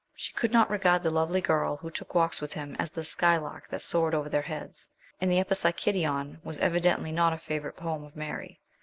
She could not regard the lovely girl who took walks with him as the skylark that soared over their heads ; and the Epipsychidion was evidently not a favourite poem of Mary.